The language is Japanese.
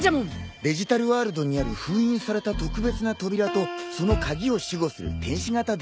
デジタルワールドにある封印された特別な扉とその鍵を守護する天使型デジモンだよ。